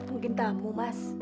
mungkin tamu mas